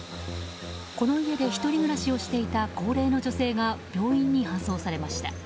この家で１人暮らしをしていた高齢の女性が病院に搬送されました。